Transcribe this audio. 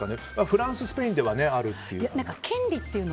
フランス、スペインではあるという。